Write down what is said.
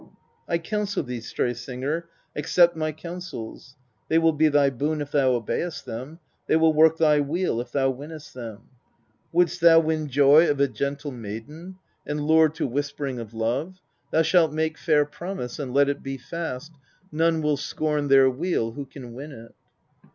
129. I counsel thee, Stray Singer, accept my counsels, they will be thy boon if thou obey'st them, they will work thy weal if thou win'st them : wouldst thou win joy of a gentle maiden, and lure to whispering of love, thou shalt make fair promise, and let it be fast, none will scorn their weal who can win it.